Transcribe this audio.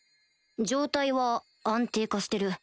状態は安定化してる